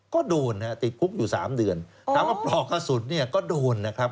ก็โดนฮะติดคุกอยู่๓เดือนถามว่าปลอกกระสุนเนี่ยก็โดนนะครับ